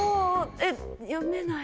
読めない。